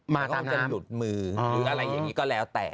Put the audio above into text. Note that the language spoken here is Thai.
เขาคงจะหลุดมือหรืออะไรอย่างนี้ก็แล้วแต่